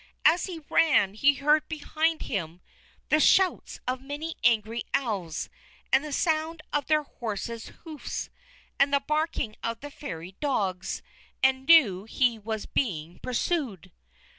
As he ran he heard behind him the shouts of many angry Elves and the sound of their horses' hoofs, and the barking of the Fairy dogs; and knew that he was being pursued.